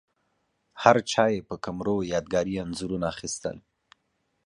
هرچا یې په کمرو یادګاري انځورونه اخیستل.